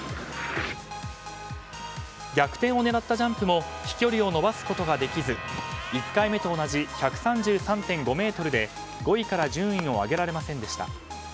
逆転を狙ったジャンプも飛距離を伸ばすことができず１回目と同じ１３３．５ｍで５位から順位を上げられませんでした。